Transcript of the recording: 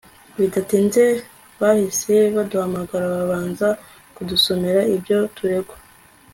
bidatinze bahise baduhamagara babanza kudusomera ibyo turegwa